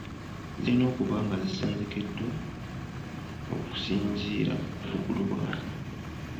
Zirina okuba nga zisengekeddwa okusinziira ku bukulu bwazo.